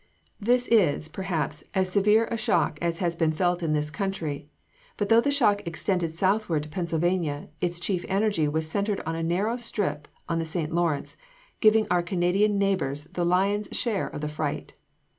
This is, perhaps, as severe a shock as has been felt in this country; but though the shock extended southward to Pennsylvania, its chief energy was centered in a narrow strip on the St. Lawrence, giving our Canadian neighbors the lion's share of the fright.